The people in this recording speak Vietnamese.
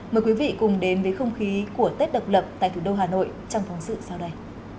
mời quý vị cùng đến với không khí của tết độc lập tại thủ đô hà nội trong phóng sự sau đây